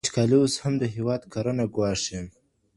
وچکالي اوس هم د هېواد کرنه ګواښي.